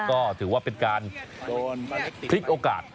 ก็ถือว่าเป็นการพลิกโอกาส